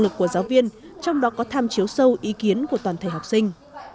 năng lực của giáo viên trong đó có tham chiếu sâu ý kiến của toàn thể học sinh